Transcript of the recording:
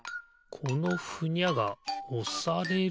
このふにゃがおされる？